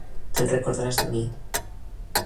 Te'n recordaràs de mi.